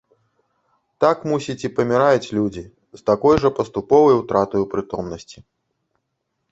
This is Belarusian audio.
Так, мусіць, і паміраюць людзі, з такой жа паступовай утратаю прытомнасці.